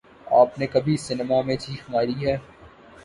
آپ نے کبھی سنیما میں چیخ ماری ہے